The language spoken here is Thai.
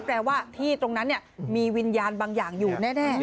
แปลว่าที่ตรงนั้นมีวิญญาณบางอย่างอยู่แน่